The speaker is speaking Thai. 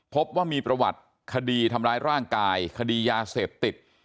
พบว่ามีประวัติคดีทำร้ายร่างกายคดียาเสพติด